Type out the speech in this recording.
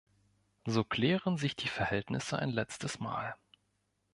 So klären sich die Verhältnisse ein letztes Mal.